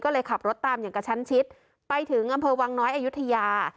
ก็เลยขับรถตามอย่างกระชั้นชิดไปถึงอำเภอวังน้อยอายุทยา